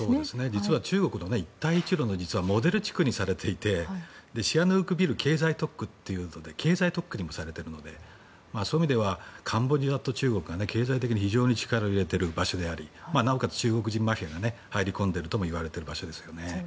実は中国の一帯一路のモデル地区にされていてシアヌークビル経済特区というので経済特区にもされているのでそういう意味ではカンボジアと中国は経済的に非常に力を入れている場所でありなおかつ、中国人マフィアが入り込んでいるとも言われている場所ですよね。